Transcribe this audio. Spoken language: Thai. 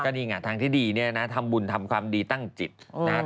นี่ไงทางที่ดีเนี่ยนะทำบุญทำความดีตั้งจิตนะครับ